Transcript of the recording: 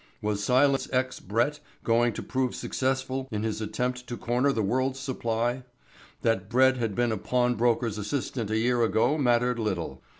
Was Silas X. Brett going to prove successful in his attempt to corner the world's supply? That Brett had been a pawnbroker's assistant a year ago mattered little.